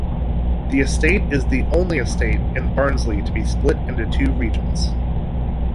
The estate is the only estate in Barnsley to be split into two regions.